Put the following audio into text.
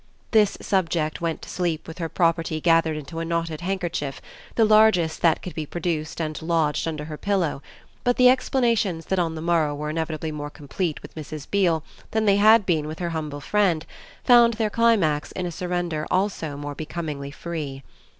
This subject went to sleep with her property gathered into a knotted handkerchief, the largest that could be produced and lodged under her pillow; but the explanations that on the morrow were inevitably more complete with Mrs. Beale than they had been with her humble friend found their climax in a surrender also more becomingly free.